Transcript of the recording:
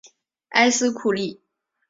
埃斯库利。